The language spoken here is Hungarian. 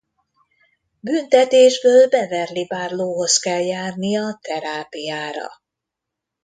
Büntetésből Beverly Barlowe-hoz kell járnia terápiára.